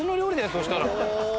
そうしたら。